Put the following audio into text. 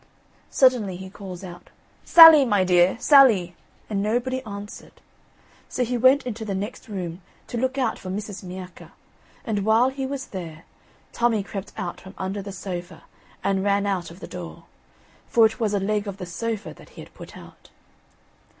Suddenly he calls out: "Sally, my dear, Sally!" and nobody answered. So he went into the next room to look out for Mrs. Miacca, and while he was there, Tommy crept out from under the sofa and ran out of the door. For it was a leg of the sofa that he had put out.